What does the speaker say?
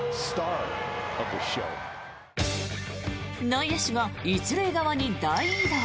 内野手が１塁側に大移動。